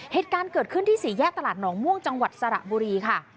เหตุการณ์เกิดขึ้นที่สี่แยกตลาดหนองม่วงจังหวัดสระบุรีค่ะ